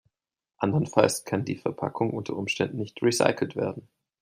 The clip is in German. Andernfalls kann die Verpackung unter Umständen nicht recycelt werden.